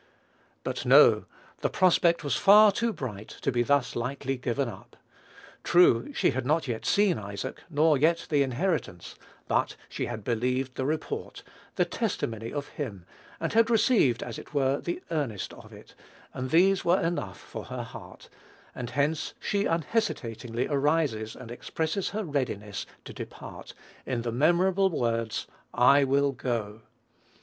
But, no: the prospect was far too bright to be thus lightly given up. True, she had not yet seen Isaac, nor yet the inheritance; but she had believed the report, the testimony of him, and had received, as it were, the earnest of it, and these were enough for her heart; and hence she unhesitatingly arises and expresses her readiness to depart in the memorable words, "I will go."